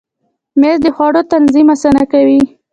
مېز د خوړو تنظیم اسانه کوي.